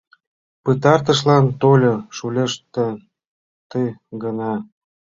Пытартышлан тольо шӱлешт ты гана.